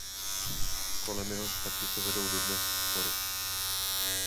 Kolem jeho smrti se vedou dodnes spory.